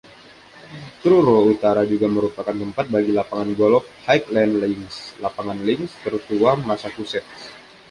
Truro Utara juga merupakan tempat bagi Lapangan Golf Highland Links, lapangan links tertua Massachusetts.